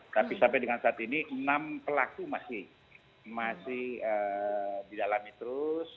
tapi sampai dengan saat ini enam pelaku masih didalami terus